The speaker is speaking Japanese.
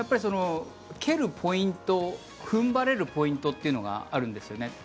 蹴るポイント踏ん張れるポイントというのがあるんですよね。